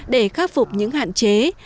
để khắc phục những hạn chế